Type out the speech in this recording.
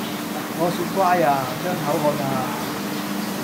我說乖呀！張口喝呀